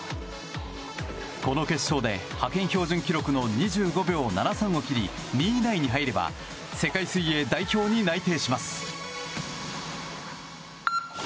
この決勝で派遣標準記録の２５秒７３を切り２位以内に入れば世界水泳代表に内定します。